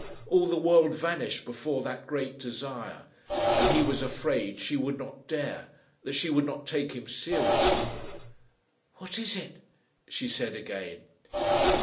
All the world vanished before that great desire. And he was afraid she would not dare, that she would not take him seriously. "What is it?" she said again.